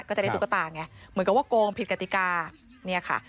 ก็จะได้ตุ๊กตาเหมือนกับว่าโก้งผิดกติกา